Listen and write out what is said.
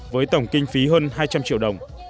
với tổng kinh phí hơn hai trăm linh triệu đồng